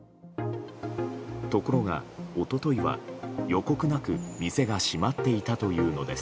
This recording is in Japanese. ところが、一昨日は予告なく店が閉まっていたというのです。